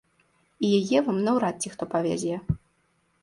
І яе вам наўрад ці хто павязе.